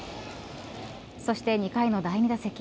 そして２回の第２打席。